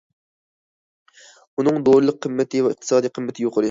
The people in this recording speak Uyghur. ئۇنىڭ دورىلىق قىممىتى ۋە ئىقتىسادىي قىممىتى يۇقىرى.